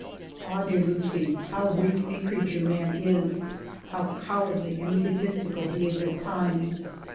"Ah, dear Lucie, how weak a creature man is, how cowardly and egotistical he is at times